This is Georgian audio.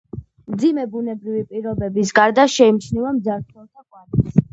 მძიმე ბუნებრივი პირობების გარდა შეიმჩნევა მძარცველთა კვალიც.